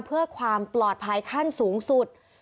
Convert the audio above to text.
เพื่อความปลอดภัยขั้นสูงสุด